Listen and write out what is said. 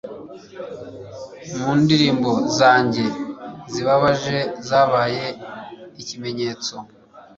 mu ndirimbo zanjye zibabaje zabaye ikimenyetso